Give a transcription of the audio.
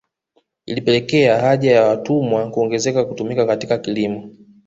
Ilipelekea haja ya watumwa kuongezeka kutumika katika kilimo